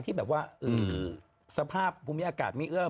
ที่แบบว่าสภาพมีอากาศมีเอิ่ม